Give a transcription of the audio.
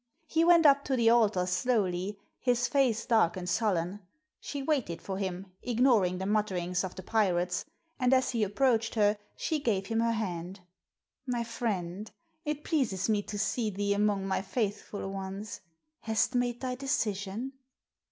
He went up to the altar slowly, his face dark and sullen. She waited for him, ignoring the mutterings of the pirates, and as he approached her she gave him her hand. "My friend, it pleases me to see thee among my faithful ones. Hast made thy decision?"